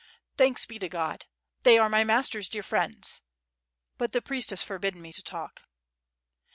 "Thanks be to God! they are my master's dear friends .... but the priest has forbidden me to talk."